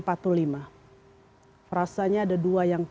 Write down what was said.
perasanya ada dua yang paling